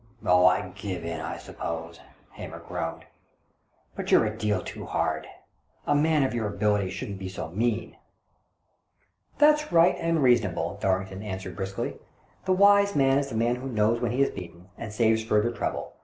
" Oh, I give in, I suppose," Hamer groaned. "But you're a deal too hard. A man of your abilities shouldn't be so mean." " That's right and reasonable," Dorrington answered briskly. " The wise man is the man who knows when he is beaten, and saves further trouble.